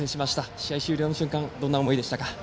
試合終了の瞬間どんな思いでしょうか？